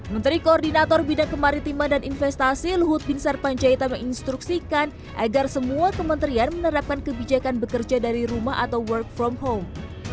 menteri koordinator bidang kemaritiman dan investasi luhut bin sarpanjaitan menginstruksikan agar semua kementerian menerapkan kebijakan bekerja dari rumah atau work from home